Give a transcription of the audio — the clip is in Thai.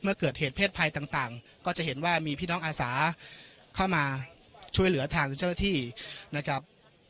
เมื่อเกิดเหตุเพศภัยต่างก็จะเห็นว่ามีพี่น้องอาสาเข้ามาช่วยเหลือทางเจ้าหน้าที่นะครับ